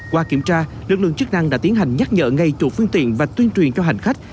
qua kiểm tra lực lượng chức năng đã tiến hành nhắc nhở ngay chủ phương tiện và tuyên truyền cho hành khách